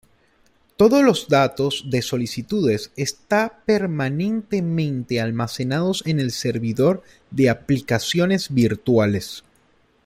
Todos los datos de solicitudes está permanentemente almacenados en el servidor de aplicaciones virtuales.